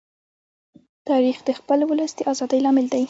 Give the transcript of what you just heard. تاریخ د خپل ولس د ازادۍ لامل دی.